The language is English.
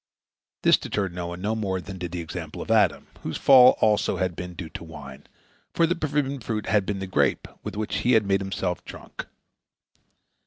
This deterred Noah no more than did the example of Adam, whose fall had also been due to wine, for the forbidden fruit had been the grape, with which he had made himself drunk.